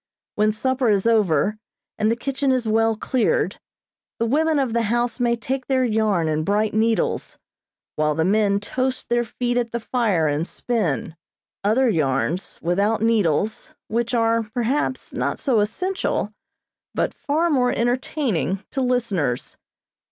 When supper is over, and the kitchen is well cleared, the women of the house may take their yarn and bright needles, while the men toast their feet at the fire and spin other yarns, without needles, which are, perhaps, not so essential, but far more entertaining to listeners.